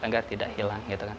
agar tidak hilang gitu kan